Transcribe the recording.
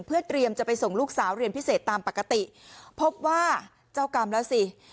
เพื่อเตรียมจะไปส่งลูกสาวเรียนพิเศษตามปกติพบว่าเจ้ากรรมแล้วสิ